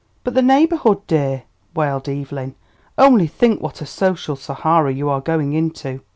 "But the neighbourhood, dear!" wailed Evelyn. "Only think what a social Sahara you are going into!"